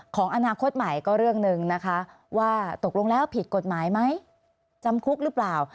ของอนาคตใหม่ก็เรื่องหนึ่งนะคะว่าตกลงแล้วผิดกฎหมายไหมจำคุกหรือเปล่า